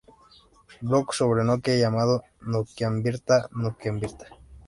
Blog sobre Nokia, llamado Nokianvirta:Nokianvirta